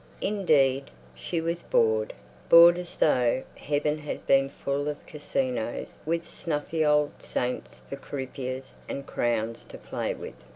Indeed, she was bored—bored as though Heaven had been full of casinos with snuffy old saints for croupiers and crowns to play with.